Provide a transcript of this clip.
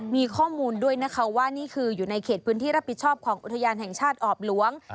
มีข้อมูลด้วยนะคะว่านี่คืออยู่ในเขตพื้นที่รับผิดชอบของอุทยานแห่งชาติออบหลวง